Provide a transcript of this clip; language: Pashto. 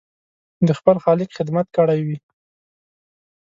د خپل خالق خدمت کړی وي.